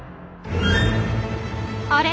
あれ？